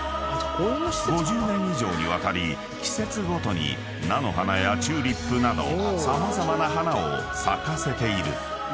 ［５０年以上にわたり季節ごとに菜の花やチューリップなど様々な花を咲かせている］